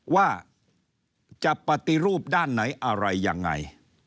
ว่าจะปฏิรูปด้านไหนอะไรยังไง